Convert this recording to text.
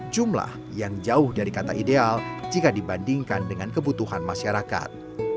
jumlah yang jauh dari kata ideal jika dibandingkan dengan kebutuhan masyarakat